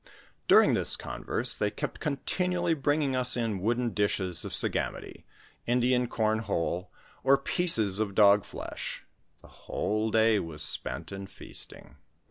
During this converse, they kept continually bringing us in wooden dishes of sagamity, Indian com whole, or pieces of dog flesh ; the whole day was spent in feasting.